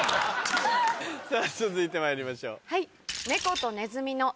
さぁ続いてまいりましょう。